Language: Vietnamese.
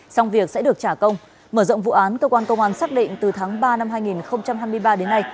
xong việc sẽ được trả công mở rộng vụ án cơ quan công an xác định từ tháng ba năm hai nghìn hai mươi ba đến nay